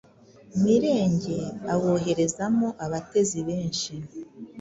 Mirenge awoherezamo abatezi benshi